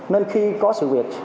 nên khi có sự việc